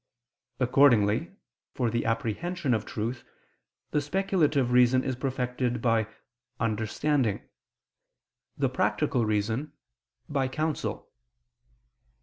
Accordingly, for the apprehension of truth, the speculative reason is perfected by understanding; the practical reason, by _counsel.